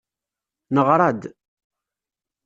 Neɣra-d.